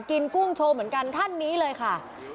กุ้งโชว์เหมือนกันท่านนี้เลยค่ะ